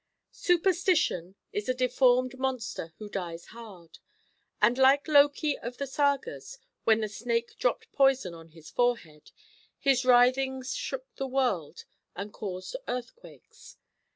Superstition is a deformed monster who dies hard; and like Loki of the Sagas when the snake dropped poison on his forehead, his writhings shook the world and caused earthquakes.